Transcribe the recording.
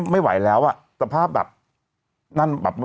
ไม่ไหวแล้วอ่ะสภาพแบบ